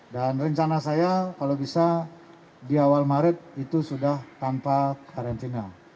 dan rencana saya kalau bisa di awal maret itu sudah tanpa karantina